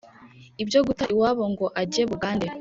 Ibyo guta iwabo ngo ajye Bugande